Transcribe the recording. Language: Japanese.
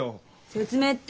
説明って？